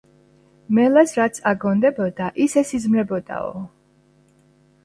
მელას რაც აგონდებოდა, ის ესიზმრებოდაო